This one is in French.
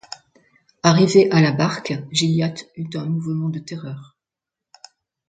Arrivé à la barque, Gilliatt eut un mouvement de terreur.